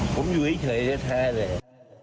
ผมอยู่ให้เถยแม้แท้แหละ